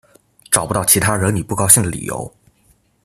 找不到其他惹你不高兴的理由